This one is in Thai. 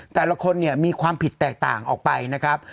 แต่ละคนเนี่ยมีความผิดแตกต่างออกไปนะครับ